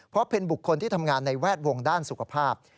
เพราะเป็นบุคคลที่ทำงานในแวดวงด้านสุขภาพ